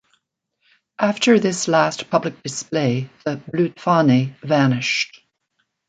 After this last public display, the "Blutfahne" vanished.